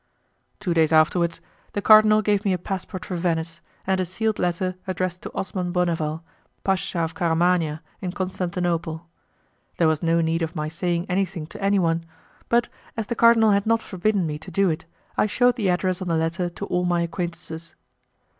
Two days afterwards, the cardinal gave me a passport for Venice, and a sealed letter addressed to Osman Bonneval, Pacha of Caramania, in Constantinople. There was no need of my saying anything to anyone, but, as the cardinal had not forbidden me to do it, I shewed the address on the letter to all my acquaintances.